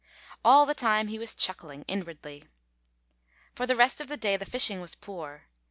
All the time he was chuckling inwardly. For the rest of the day the fishing was poor.